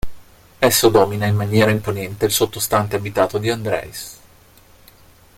Esso domina in maniera imponente il sottostante abitato di Andreis.